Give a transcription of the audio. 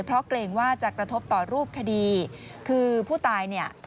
เพราะเกรงว่าจะกระทบต่อรูปคดีคือผู้ตายเนี่ย